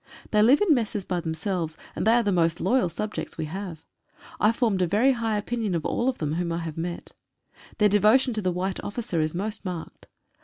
They live in messes by themselves, and they are the most loyal subjects we have. I formed a very high opinion of all of them whom 1 I have met. Their devotion to the wihite officer is most marked.